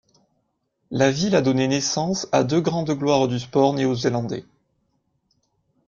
La ville a donné naissance à deux grandes gloires du sport néo-zélandais.